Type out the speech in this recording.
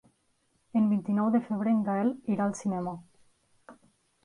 El vint-i-nou de febrer en Gaël irà al cinema.